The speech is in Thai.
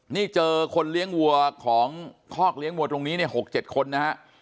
นี่เจอคนเลี้ยงวัวของคอกเลี้ยงวัวตรงนี้เนี่ย๖๗คนนะฮะ